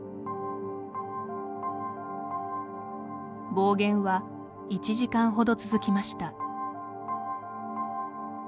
暴言は、１時間ほど続きました。